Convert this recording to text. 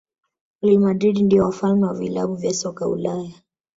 real madrid ndio wafalme wa vilabu vya soka ulaya